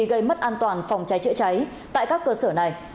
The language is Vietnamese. gây mất an toàn phòng cháy chữa cháy tại các cơ sở này